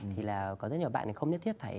thì là có rất nhiều bạn không nhất thiết